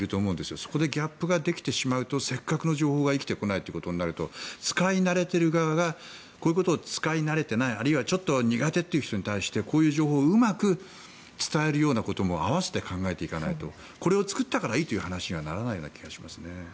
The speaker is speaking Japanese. そこでギャップができてしまうとせっかくの情報が生きてこないとなると使い慣れている側がこういうことに使い慣れていないあるいはちょっと苦手という人に対してこういう情報をうまく伝えるようなことも合わせて考えていかないとこれを作ったからいいという話にはならないような気がしますね。